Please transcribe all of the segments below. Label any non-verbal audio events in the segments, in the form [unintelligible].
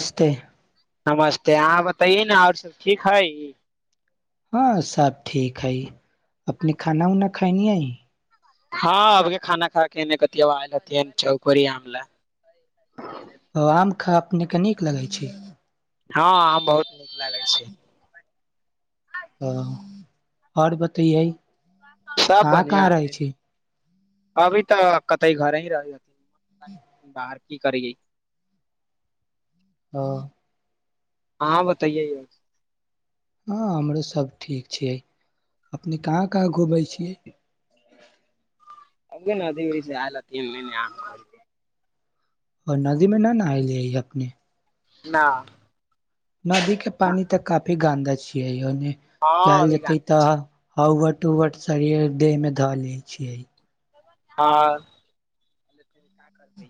नस्ते नमस्ते अहाँ बतैए ने आओर सभ ठीक हइ हँ सबब ठीक हइ अपने खाना वनाा खइ न अइ हँब खान खाके कति अवाजल छौकरी आम ल ओ आम खा अपनेके नीक लगै छै हँ हम बहुत नीक लागल छी ह आओर बतए सब क क बढ़िया रहै हथिन छै अभी तऽ कते घरे ही रहै हथिन बाहर की करियै हँ हँ बताइए यौ हँ हमरो सभ ठीक छियै अपने कहाँ कहाँ घुमै छियै अगे नेथस आल तीन महिने आ ओ नदीमे न नाय ले ह अपने नहि नदी के पानी तक काफी गन्द छियै इहोमे हँ कल अभी गा जेतै तऽ हाउ वट टट शरीर देह मे धऽ ले छियै हँ का करबै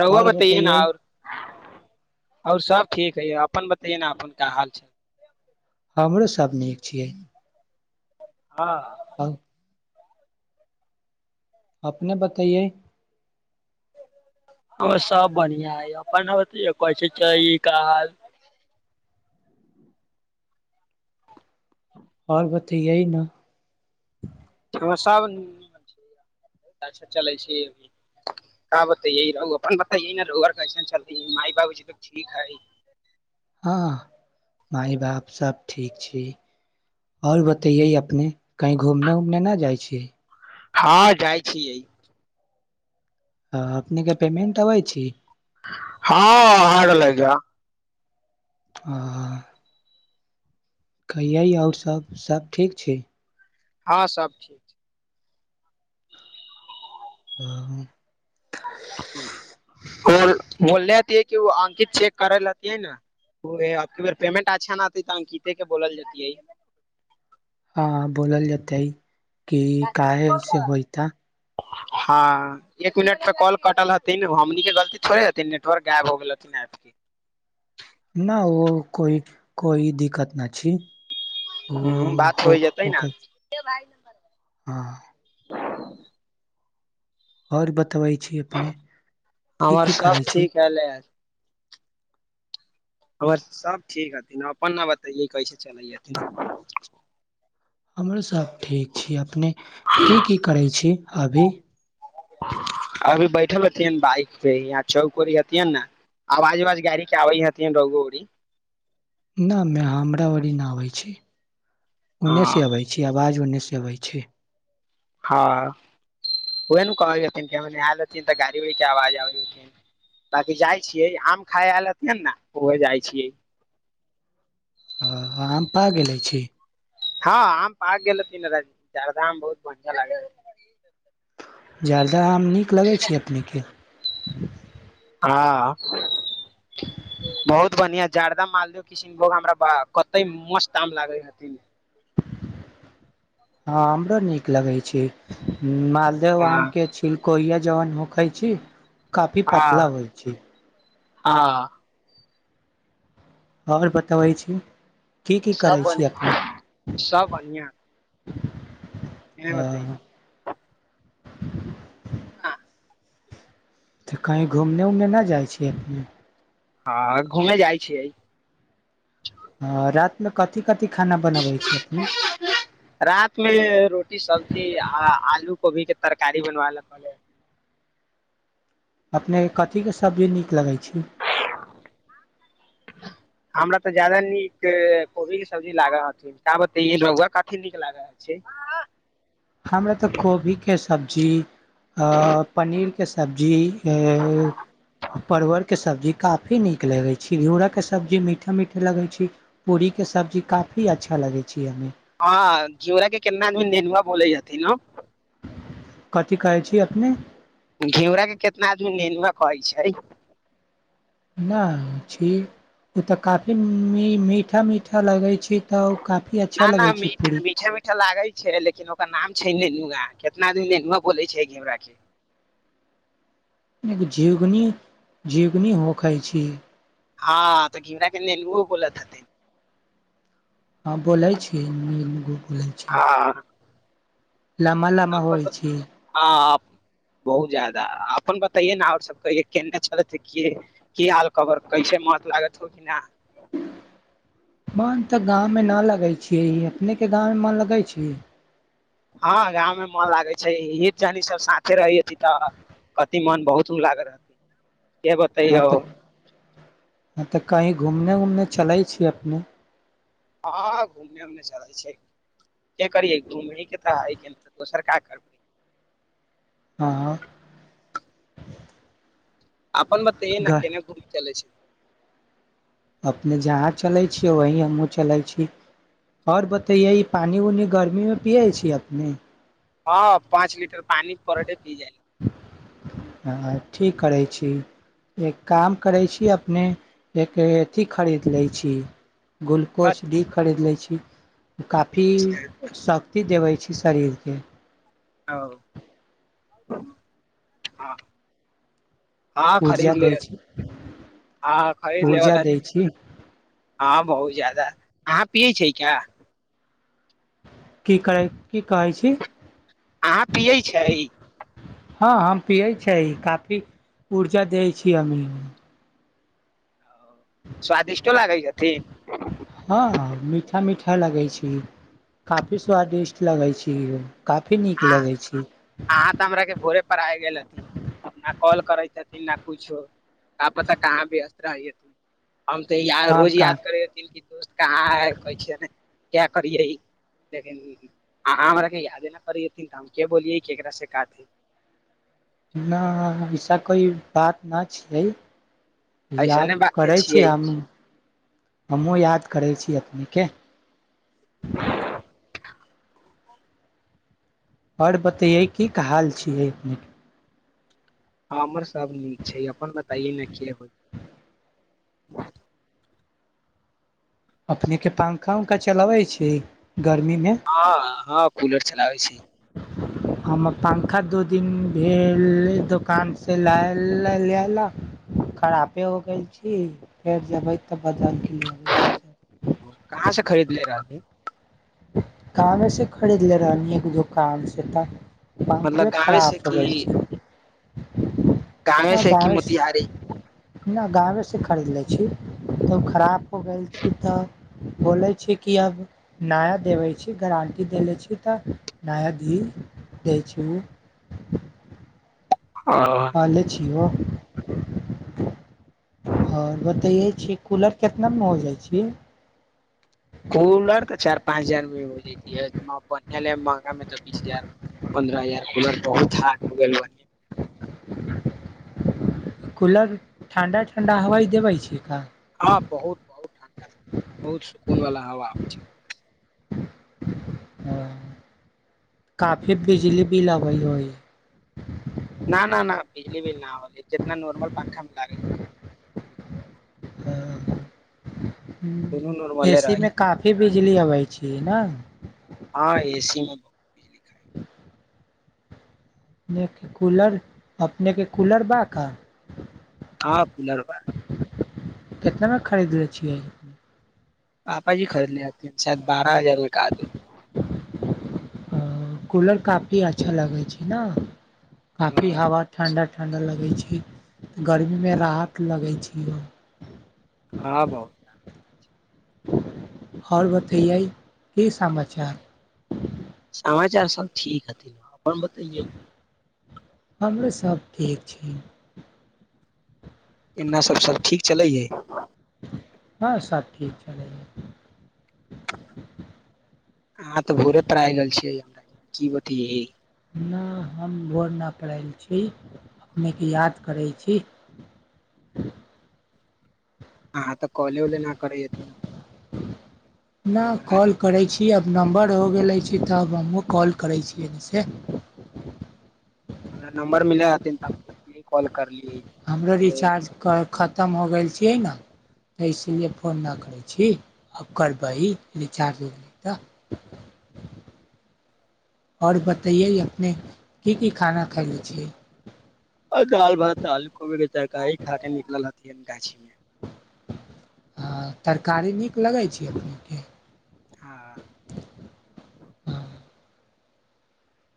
रहुआ आओर बताइए ने बतैयै आओर आओर सब ठीक है अपन बतैयए ने अपन का हाल छै हमरो सा नीक छियै और हँ अपने बताइयए ओ सब बढ़िआ है अपन कहै छै काज आओर बात तऽ यएही ने हमर सब हाँ चलय छै अपन बतय रौआ आर कैसन चलत मााय बाप त ठीक हइ हँ माय बाप सभ ठीक छी आओर बतैयै अपने कहीँ घूमने उमने नहि जाइ छी हँ जाइ छीय हँ अपने के पेमेंट अबै छै हँ आ रहलय ग हँ ह कहिय आओर सब ठीक छै हँ सब ठीक छै हाँ आओर बोलं त अंकित चेक करल रहती है न पेमेंट अच्छा नहितै तऽ अंकिते के बोलल जात है हँ बोलल जेतै ह की काहे एसे होइता हँ एक मिनटपर कॉल कटल हथिन हमनीके गलती थोड़े हथिन नेटवर्क गायब हो गेल हथिन ऐपके न ओ कोइ कोई दिक्कत न छै हुँ बात होइ जेतै ने हँ आओर बात बतबै छी अपने की हमर की सब करै छी ठीक हले आर सब ठीक हथिन अपन न बतैे कैसे चलै हथिन हमरेसब ठीक छी अपने की की करै छी अभी अभी बैठल रहतियै बाइक पे या चौक उरीी हथिियन ने आवाज आवाज गाड़ी के आबै हथिन रोगो वरीी न मै हमरावरी न आबै छी उन्नेस से हँ अबै छै आवाज उन्नैस आबै छै हँ उह ने कहै हथिन आयल हथिन तऽ गाड़ी उड़ी के आवाज आबैथिन बाकि जाइ छियै आम खााय आयल हेथिन ने उह जाइ छियै हँ आम् पाइक गेले छी हँ आम पक गेल त नी चारधाम बहुत बढ़आँ लागे जाल तऽ हम नीक लगै छी अपनेके ह [inaudible] हँ बहुत बढिआ जाारदा मालदहो किसनभोग हमराबा कते मस्त आम लागे हथि हँ हमराो नीक लगै छै मालदेव हँ आम के छिलकोिया जवन भखाै छी काफी हँ पतला होइ छै हँ आओर बतबै छी की की सब करै बढ़ छी अपने सब बढ़िआ [unintelligible] क अ, मत हँ तऽ कहीँ घूमने उमने नहि जाइ छियै अपने हँ घूमे जाइ छियै ह रात मे कथी कथी खाना बनबै छी अपने रात मे रोटी सब्जी आलू कोभी के तरकारी बनवा लेे अपनेके कथिके सब्जी नीक लगै छै हमरा तऽ जादा नीक कोबी के सब्जी लाग हथिब त रहुुआ कथी नीक लाग ह छै हमरा तऽ कोभी भी कैस सब्जी पनीरके सब्जी परवलके सब्जी काफी नीक लगै छै घिउरा के सब्जी मीठा मीठा लगै छै पूरी के सब्जी काफी अच्छा लगै छै हमे हँ घिउरा के केना आदमी नेहनुवा बोलै जाथि न कथी कहै छी अपने घिउराके कितना आदमी नेनुआ कहै छै न छी ओ तऽ काफी मीठा मीठा लगे छै न न मीठा मीठा लागे छै लेकिन ओकर नाम छै ने कितना आदमी बोलै छै हमरा के एक जीवनी जीवनी हो खााय छियै हँ तऽ घीवरा केने लुहो बोलत हँ बोलै छी नील गुप हँ लहा लहा होइ अपन छियै हँ बहुत ज्यादा अपन बताइए ने आओर सब केने छल की हाल खबर कैसे महत लागत हो कि नहि मन तऽ गाँवमे नहि लगै छियै अपनेके गाँवमे मन लगै छै हँ गाँव मे मन लागै छै ह जनि सब साथे रही हथि तऽ कथि मन बहुत लागल रह क बताइय ओ कहीँ घूमने उमने चलै छी अपने हँ घू उ चलै छै के करियै घूम त दोसर क कर हँ अपन बताे न घर केना घूमी चले छै अपने जहाँ चलै छियै वही हमहूँ चलैत छी, आओर बतैयै ई पानि उनि गर्मीमे पियै छी अपने? हँ पाँच लीटर पानी पर डे पी जाइ हँ ठी करै छी एक काम करै छी अपने एक अथि खरीद लै छी। ग्लुकोज डी खरीद लै छी। [unintelligible] काफी सख्त ती देबै छैय शरीरके। [unintelligible] हँ खरीद ऊर्जा दै लेब छी हँ खरीद लेब ऊर्जा दै छी हँ बहुत ज्यादा पियै छिये क्या? की करै की कहै छी? अहाँ पियै छैय? हँ हम पियै छैय, काफी ऊर्जा दै छीय हमी। स्वादिष्टो लागै छथि? हँ मीठा मीठा लगै छैय काफी स्वादिष्ट लगै छैय। काफी नीक अहाँ लगै छैय। अहाँ तऽ हमरा के भोरे पराये गेल हथिन न कॉल करैत हथिन न कुछो। का पता कहाँ व्यस्त [unintelligible] हम तऽ य हम रोज का याद करे रहथिन कि दोस्त कहाँ है कैसन है। क्य करियै आँहां हमरे यादे नहि करै हथिन तऽ हम के बोलियै? ककरा से काती न विशा कोई बात ना छैल। ऐसने याद बाते करै छी छियै हम हमहुँ याद करै छी। [unintelligible] [inaudible] आओर बतैयै कीक हाल छियै? हमर सभ नीक छैय, अपन बताइए ने के हा अपने के पंखा उंखा चलाबै छी? गर्मी मे हँ हँ कूलर चलाबय छैय। हमर पंखा दू दिन भेल दोकान से ल लए लक खरापे हो गेल छी फेर जेबै तऽ बदल क लबै दोसर। कहाँ से खरीदले रही? कामेंसे खरीदले रही एक दोकान से त मतलब पंखवे खराब चगै छैय। [inaudible] गामे से कि मोतिहारी? नहि गाँवे सँ खरीद लै छी तब खराब हो गेल छी तऽ बोलै छी कि आब नया देबै छी गारं्टी देले छी तऽ नया दी दै छी ओ ओ कले छियौ आओर बतैयै छी कूलर कितना मे हो जाइ छै कूलर तऽ चार पाँच हजार मे हो जा तियै ह महंगा मे तऽ बीस हजार पन्द्रह हजार कुलर बहुत हार्ड हो गेल बानि कूलर ठण्डा ठण्डा हवाइ देबै छै का हँ बहुत बहुत ठण्डा बहुत सुकून वाला हवा आबै छै काफी बिजली बिल आबइ होइ न न न बिजली बिल नहि होलै जितना नॉर्मल पंखा मे लागलै दुनू नॉर्मले एसी में रहै काफी बिजली अबै छियै ना हँ ए सी मे बहुत बिजली खाइ अपने के कूलर अपने के कूलर बा का हाँ कूलर बा कितनामे खरीदने छियै पापाजी खरीदले रहथिन शायद बा पाँच हजार मे कहादून हँ कूलर काफी अच्छा लगै छै ने काफी हँ हवा ठण्डा ठण्डा लगै छै गर्मी में राहत लगै छै [unintelligible] बहुत आओर बतैयै की समाचार समाचार सब ठीक हथि हम बताैयए हमरो सभ ठीक छी एना सभ सभ ठीक चलैए हँ सब ठीक चलए अहाँ तऽ भोरे परायए रहल छियै हमरा की बत नहि हम भोर न पायल छी अपने के याद करै छी हँ तऽ कॉले ओल न करै नहि हमरा कॉल करै छी यै नम्बर हो गेल अछि तब हमहुँ कॉल करै छियै सँ हमरा नम्बर मिले हथिन तऽ हम सोचलिय कॉल करलियै हमरो रिचार्ज कल खतम खतम हो गेल छियै ने तऽ इसीलिए फोन न कर छी छी आ करबही रिचार्ज हैते तऽ आओर बतैयै अपने की की खाना खले छियै दाल भातऽ आलू कोबी के तरकारी खा कऽ निकलल ह गाछीमे हँ तरकारी नीक लगै छै अपनेके हँ हँ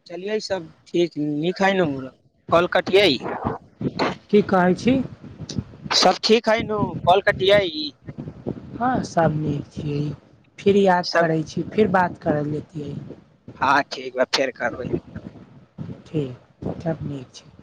चले सब ठीक नखइ ने कल कटिय की कहै छी सब ठीक हय नू कॉल कटियै ह हँ सब नीक छियै फिर याद सब करै छी फिर बात करल लितियै हँ ठीक बए फेर करबै ठीक सब नीक छै